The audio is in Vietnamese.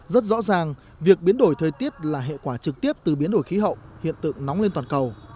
rất rõ ràng việc biến đổi thời tiết là hệ quả trực tiếp từ biến đổi khí hậu hiện tượng nóng lên toàn cầu